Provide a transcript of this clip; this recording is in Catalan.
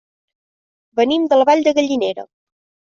Venim de la Vall de Gallinera.